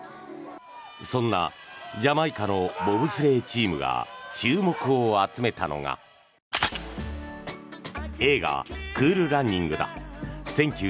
そんなジャマイカのボブスレーチームが注目を集めたのが映画「クール・ランニング」だ。